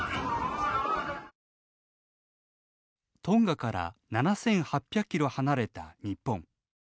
トンガから７８００キロ離れた日本。